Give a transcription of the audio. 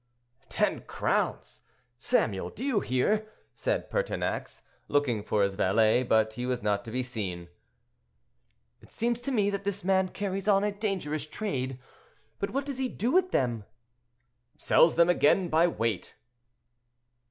"Ten crowns! Samuel, do you hear?" said Pertinax, looking for his valet, but he was not to be seen. "It seems to me that this man carries on a dangerous trade. But what does he do with them?" "Sells them again by weight."